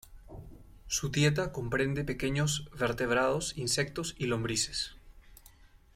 Su dieta comprende pequeños vertebrados, insectos y lombrices.